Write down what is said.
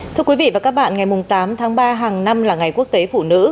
thưa quý vị và các bạn ngày tám tháng ba hàng năm là ngày quốc tế phụ nữ